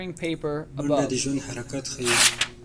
منډه د ژوند حرکت ښيي